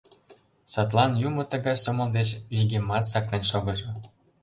Садлан юмо тыгай сомыл деч вигемат саклен шогыжо.